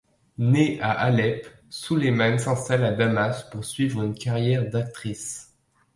Née à Alep, Suleiman s'installe à Damas pour suivre une carrière d'actrice.